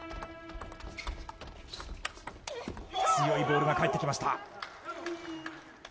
強いボールが返ってきました。